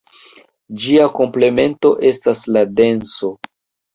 Ĝia komplemento estas la denso.